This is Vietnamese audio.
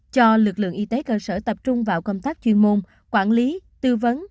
cho lực lượng y tế cơ sở tập trung vào công tác chuyên môn quản lý tư vấn